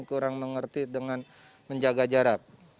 kurang mengerti dengan menjaga jarak